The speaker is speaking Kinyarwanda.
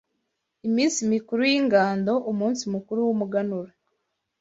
Iminsi mikuru y’Ingando, umunsi mukuru w’umuganura